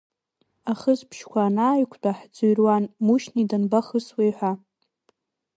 Ахысыбжьқәа анааиқәтәа, ҳӡырҩуан Мушьни данбахысуеи ҳәа.